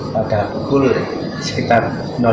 pada pukul sekitar lima tiga puluh